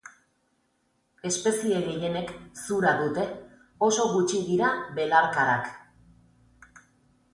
Espezie gehienek zura dute; oso gutxi dira belarkarak.